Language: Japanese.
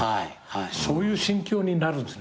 そういう心境になるんですね。